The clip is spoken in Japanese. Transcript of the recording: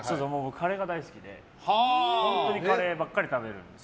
カレーが大好きで本当にカレーばかり食べるんです。